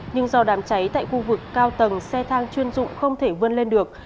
nhưng do đám cháy tại khu vực cao tầng xe thang chuyên dụng không thể vươn lên được